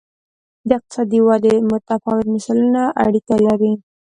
د اقتصادي ودې متفاوت مثالونه اړیکه لري.